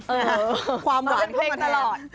เออความหวานเข้ามาตลอด